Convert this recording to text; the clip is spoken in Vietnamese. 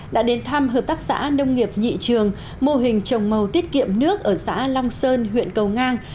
đã đến thăm hợp tác xã nông nghiệp nhị trường mô hình trồng màu tiết kiệm nước ở xã long sơn huyện cầu ngang